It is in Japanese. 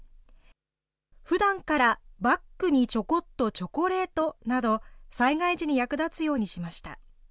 ふだんからバッグにちょこっとチョコレートなど、災害時に役立つようにしました。